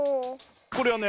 これはね